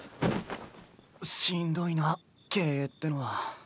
しんどいな経営ってのは。